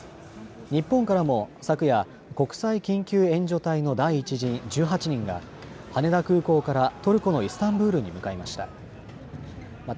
日本からも昨夜、国際緊急援助隊の第１陣、１８人が羽田空港からトルコのイスタンブールに向かいました。